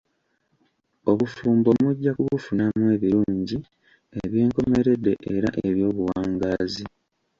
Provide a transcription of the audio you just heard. Obufumbo mujja kubufunamu ebirungi eby'enkomeredde era eby'obuwangaazi.